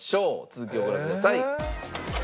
続きをご覧ください。